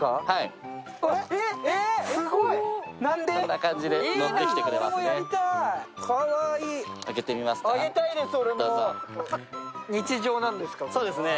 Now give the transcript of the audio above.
こんな感じで乗ってきてくれますね。